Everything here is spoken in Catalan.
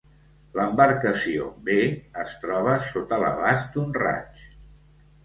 L"embarcació B es troba sota l"abast d"un raig.